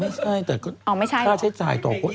ไม่ใช่แต่ก็ค่าใช้จ่ายต่อคน